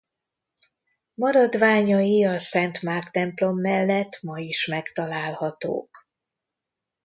Maradványai a Szent Márk templom mellett ma is megtalálhatók.